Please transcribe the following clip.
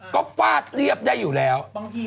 ก็ฟาดเรียบได้อยู่แล้ว